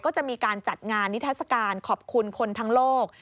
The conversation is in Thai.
ก็จะมีการจัดงานนิทัศกาลขอบคุณคนทั้งโลก